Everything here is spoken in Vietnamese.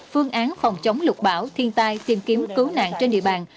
phương án phòng chống lục bão thiên tai tìm kiếm cứu nạn trên địa bàn